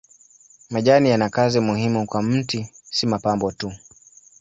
Majani yana kazi muhimu kwa mti si mapambo tu.